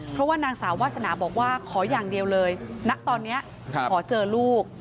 เพราะว่านางสาววาสนาบอกว่าขออย่างเดียวเลยณตอนนี้ขอเจอลูก